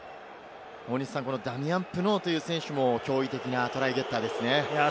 ダミアン・プノーという選手も驚異的なトライゲッターですね。